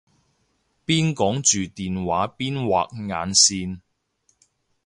邊講住電話邊畫眼線